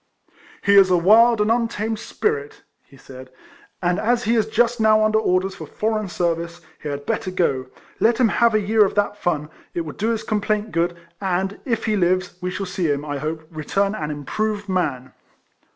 " He is a wild and untamed spirit," he said ;" and as he is just now under orders for foreign service, he had better go; let him have a year of that fun ; it will do his com plaint good; and, if he lives, we shall see liim, I hope, return an improved man."